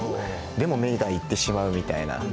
でも目がいってしまうみたいな。